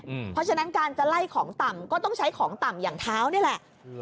เพราะฉะนั้นการจะไล่ของต่ำก็ต้องใช้ของต่ำอย่างเท้านี่แหละ